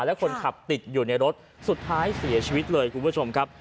และคนขับติดอยู่ในรถสุดท้ายเสียชีวิตเลยคุณผู้ชมครับ